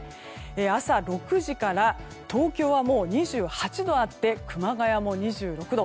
朝６時から東京は、もう２８度あって熊谷も２６度。